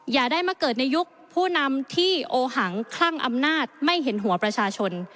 อย่าได้มาเกิดในยุคผู้นำที่โอหังคลั่งอำนาจไม่เห็นหัวประชาชน